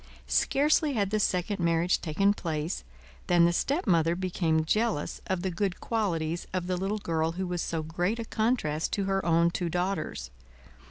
Scarcely had the second marriage taken place, than the stepmother became jealous of the good qualities of the little girl who was so great a contrast to her own two daughters.